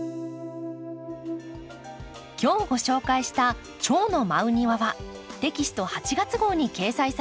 今日ご紹介した「チョウの舞う庭」はテキスト８月号に掲載されています。